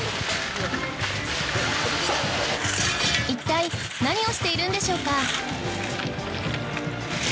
一体何をしているんでしょうか？